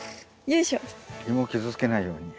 イモを傷つけないように。